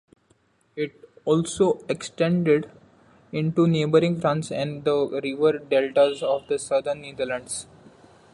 It also extended into neighbouring France and the river deltas of the southern Netherlands.